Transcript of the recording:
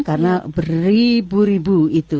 karena beribu ribu itu